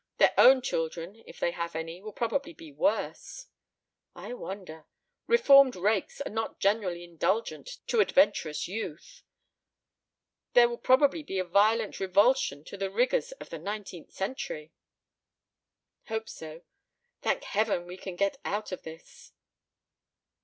Their own children, if they have any, will probably be worse." "I wonder. Reformed rakes are not generally indulgent to adventurous youth. There will probably be a violent revulsion to the rigors of the nineteenth century." "Hope so. Thank Heaven we can get out of this."